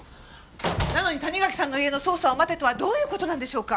なのに谷垣さんの家の捜査を待てとはどういう事なんでしょうか？